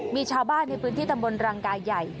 มีชาวบ้านในพื้นที่ตำบลรังกายใหญ่